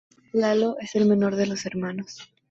Lalo es el menor de los hermanos.